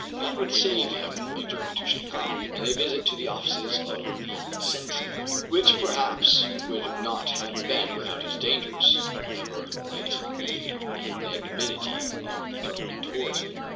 That would save him a journey to Shang hai, and a visit to the offices of the Centenary, which, perhaps, would not have been without its dangers, whatever might bé the magnanimity of the government towards him.